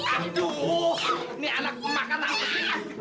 aduh ini anak makanan apa sih